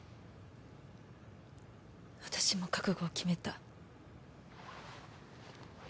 私も覚悟を決めた。